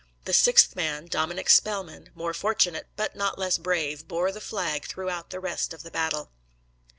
The sixth man, Dominick Spellman, more fortunate, but not less brave, bore the flag throughout the rest of the battle.